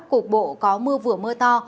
cục bộ có mưa vừa mưa to